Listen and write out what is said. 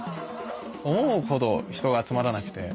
思うほど人が集まらなくて。